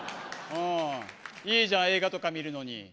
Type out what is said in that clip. いいじゃん、映画とか見るのに。